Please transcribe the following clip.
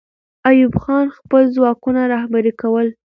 ایوب خان خپل ځواکونه رهبري کوله.